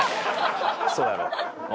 そうやろ？